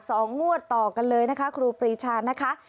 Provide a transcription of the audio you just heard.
สองงวดต่อกันเลยนะคะครูปรีชานะคะ